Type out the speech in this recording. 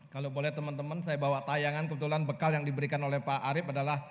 kalau boleh teman teman saya bawa tayangan kebetulan bekal yang diberikan oleh pak arief adalah